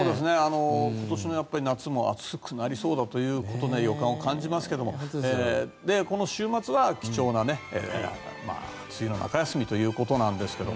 今年の夏も暑くなりそうだということでそんな予感を感じますがこの週末は貴重な梅雨の中休みということですが。